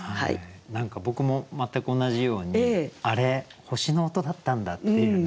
何か僕も全く同じように「あれ星の音だったんだ」っていうね